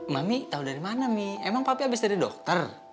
mami tahu dari mana nih emang papi abis dari dokter